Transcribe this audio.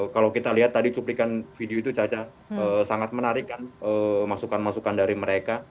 kalau kita lihat tadi cuplikan video itu caca sangat menarik kan masukan masukan dari mereka